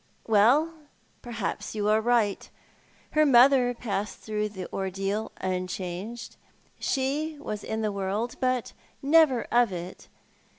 " Well, perhaps you are right. Her mother passed through the ordeal unchanged. She was in the world, but never of it.